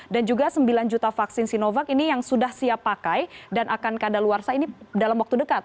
dan juga sembilan juta vaksin sinovac ini yang sudah siap pakai dan akan keadaan luar saing dalam waktu dekat